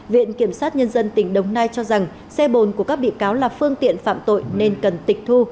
viện kiểm sát nhân dân tỉnh đồng nai cho rằng xe bồn của các bị cáo là phương tiện phạm tội nên cần tịch thu